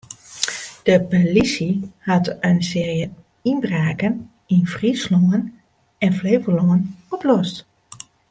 De polysje hat in searje ynbraken yn Fryslân en Flevolân oplost.